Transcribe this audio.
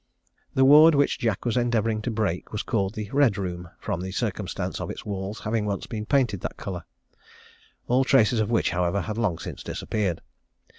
"The ward which Jack was endeavouring to break was called the Red room from the circumstance of its walls having once been painted in that colour: all traces of which, however, had long since disappeared.